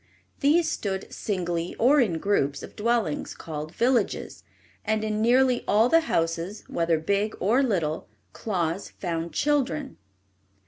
These stood singly or in groups of dwellings called villages, and in nearly all the houses, whether big or little, Claus found children.